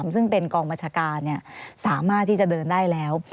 ซึ่งเป็นกองบัญชาการสามารถที่จะเดินได้แล้ว